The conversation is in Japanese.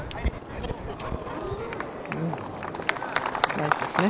ナイスですね。